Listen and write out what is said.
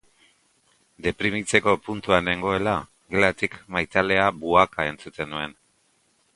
Deprimitzeko puntuan nengoela, gelatik maitalea buhaka entzuten nuen.